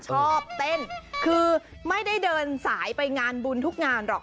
ชอบเต้นคือไม่ได้เดินสายไปงานบุญทุกงานหรอก